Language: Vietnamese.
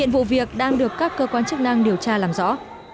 vụ việc đang được các cơ quan chức năng điều tra làm rõ